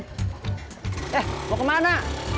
eh mau kemana